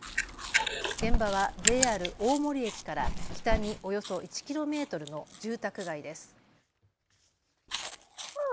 現場はＪＲ大森駅から北におよそ１キロメートルの住宅街です。